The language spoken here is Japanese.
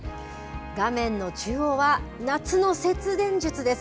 画面の中央は、夏の節電術です。